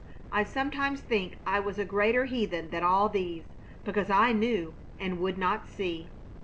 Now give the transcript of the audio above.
I sometimes think I was a greater heathen than all these, because I knew and would not see."